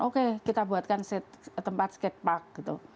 oke kita buatkan tempat skatepark gitu